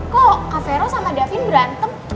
kok kak fero sama dapin berantem